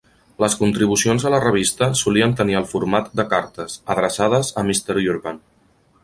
Les contribucions a la revista solien tenir el format de cartes, adreçades a "Mr. Urban".